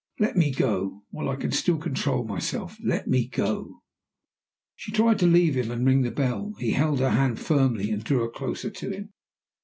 Let me go. While I can still control myself, let me go!" She tried to leave him, and ring the bell. He held her hand firmly, and drew her closer to him.